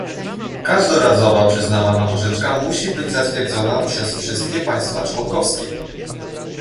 Każdorazowa przyznawana pożyczka musi być zatwierdzona przez wszystkie państwa członkowskie